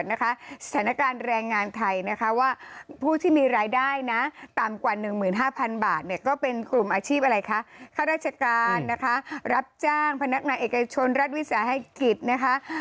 ชีพอะไรคะข้าราชการนะคะรับจ้างพนักงานเอกชนรัฐวิทยาศาสตร์ให้กิจนะคะ